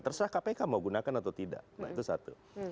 terserah kpk mau gunakan atau tidak nah itu satu